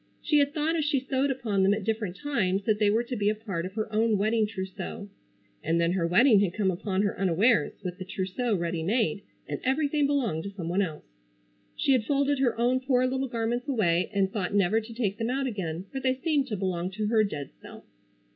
She had thought as she sewed upon them at different times that they were to be a part of her own wedding trousseau. And then her wedding had come upon her unawares, with the trousseau ready made, and everything belonged to some one else. She had folded her own poor little garments away and thought never to take them out again, for they seemed to belong to her dead self.